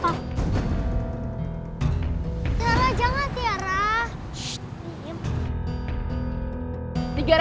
tiara jangan tiara